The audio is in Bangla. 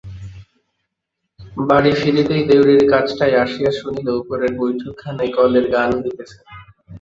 বাড়ি ফিরিতেই দেউড়ির কাছটায় আসিয়া শুনিল উপরের বৈঠকখানায় কলের গান হইতেছে।